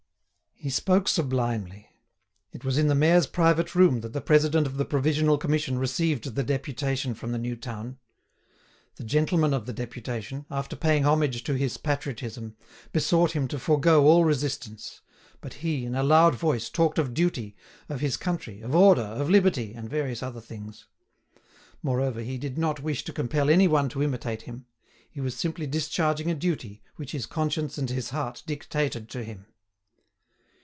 He spoke sublimely. It was in the mayor's private room that the president of the Provisional Commission received the deputation from the new town. The gentlemen of the deputation, after paying homage to his patriotism, besought him to forego all resistance. But he, in a loud voice, talked of duty, of his country, of order, of liberty, and various other things. Moreover, he did not wish to compel any one to imitate him; he was simply discharging a duty which his conscience and his heart dictated to him.